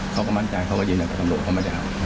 เขาก็มั่นใจเขาก็ยืนอย่างกับตำรวจเขามาได้ครับ